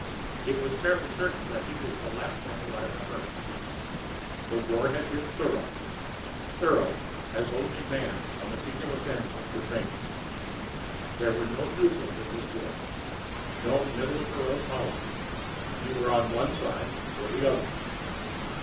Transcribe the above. _ It was fairly certain that he was the last man alive on the Earth. The war had been thorough. Thorough as only man, a meticulous animal, could make it. There had been no neutrals in this war, no middle of the road policy. You were on one side or the other.